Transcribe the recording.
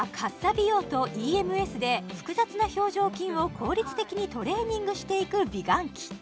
美容とＥＭＳで複雑な表情筋を効率的にトレーニングしていく美顔器